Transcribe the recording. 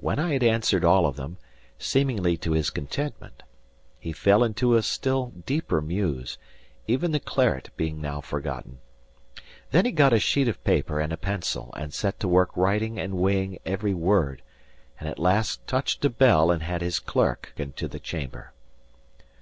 When I had answered all of them, seemingly to his contentment, he fell into a still deeper muse, even the claret being now forgotten. Then he got a sheet of paper and a pencil, and set to work writing and weighing every word; and at last touched a bell and had his clerk into the chamber.